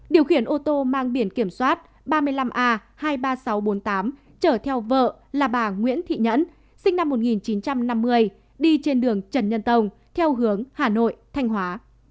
điều khiển ô tô mang biển kiểm soát ba mươi năm a hai mươi ba nghìn sáu trăm bốn mươi tám chở theo vợ là bà nguyễn thị nhẫn sinh năm một nghìn chín trăm năm mươi đi trên đường trần nhân tông theo hướng hà nội thanh hóa